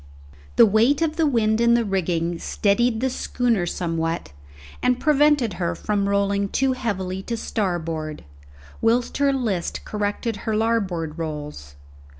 The weight of the wind in the rigging steadied the schooner somewhat, and prevented her from rolling too heavily to starboard, whilst her list corrected her larboard rolls.